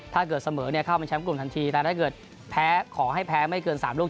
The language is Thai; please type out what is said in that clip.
ถ้าเกิดเสมอเนี่ยเข้าเป็นแชมป์กลุ่มทันทีแต่ถ้าเกิดแพ้ขอให้แพ้ไม่เกิน๓ลูก